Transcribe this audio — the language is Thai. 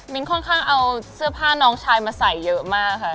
ค่อนข้างเอาเสื้อผ้าน้องชายมาใส่เยอะมากค่ะ